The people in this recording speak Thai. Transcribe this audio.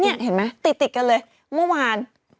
นี่เห็นไหมติดกันเลยเมื่อวาน